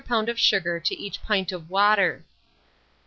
of sugar to each pint of water.